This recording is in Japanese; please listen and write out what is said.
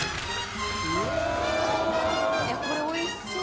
これおいしそう。